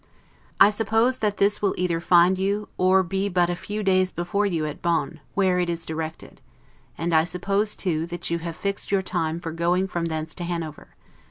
I suppose that this will either find you, or be but a few days before you at Bonn, where it is directed; and I suppose too, that you have fixed your time for going from thence to Hanover.